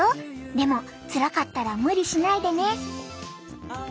でもつらかったら無理しないでね！